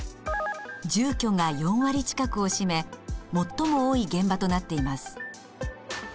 住居が４割近くを占め最も多い現場となっています。